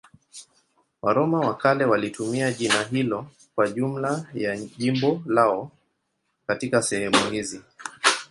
Waroma wa kale walitumia jina hilo kwa jumla ya jimbo lao katika sehemu hizi.